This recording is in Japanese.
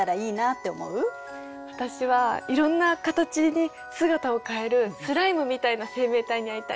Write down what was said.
私はいろんな形に姿を変えるスライムみたいな生命体に会いたい。